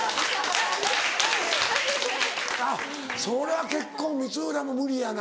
あっそれは結婚光浦も無理やな。